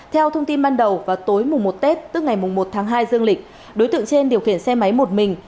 theo thông tin ban đầu vào tối mùng một tết tức ngày một tháng hai dương lịch đối tượng trên điều khiển xe máy một mình